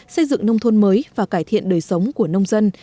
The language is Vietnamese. xây dựng nông thôn mới và cải thiện đời sống của nông dân